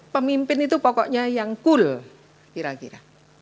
pemimpin itu pokoknya yang cool kira kira